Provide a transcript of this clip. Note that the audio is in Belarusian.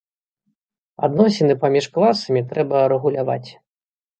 Адносіны паміж класамі трэба рэгуляваць.